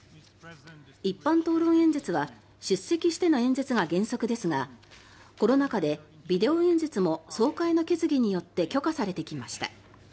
一般討論演説は出席しての演説が原則ですがコロナ禍でビデオ演説も総会の決議によって許可されてきました。